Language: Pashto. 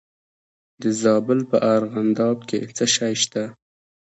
د زابل په ارغنداب کې څه شی شته؟